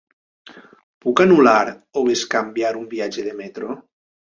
Puc anul·lar o bescanviar un viatge de metro?